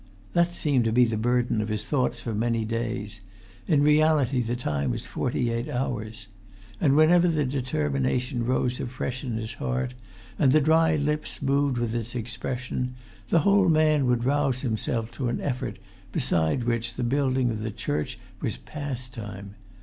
That seemed to be the burden of his thoughts for many days; in reality the time was forty eight hours. And whenever the determination rose afresh in his heart, and the dry lips moved with its expression, the whole man would rouse himself to an effort beside which the building of the church was pastime.